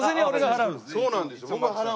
そうなんですよ。